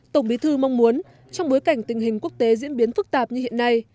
tổng bí thư mong muốn trong bối cảnh tình hình quốc tế diễn biến phức tạp như hiện nay